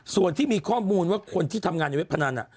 ส่วนที่มีข้อมูลว่าคนที่ทำงานในเว็บพนัน